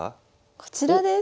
こちらです。